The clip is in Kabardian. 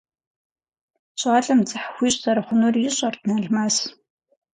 ЩӀалэм дзыхь хуищӀ зэрыхъунур ищӀэрт Налмэс.